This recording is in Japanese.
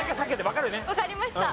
わかりました。